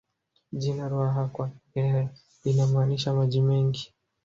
Jina Ruaha kwa Kihehe linamaanisha maji mengi